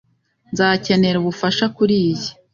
Nzakenera ubufasha kuriyi.